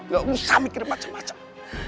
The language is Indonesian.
gak usah mikir macam macam